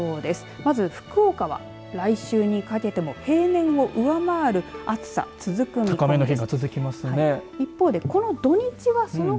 まず福岡は来週にかけても平年を上回る暑さ、続く見込みです。